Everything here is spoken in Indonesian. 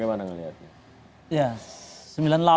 kalau kami bagaimana melihatnya